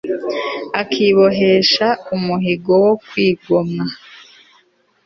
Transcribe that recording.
akibohesha umuhigo wo kwigomwa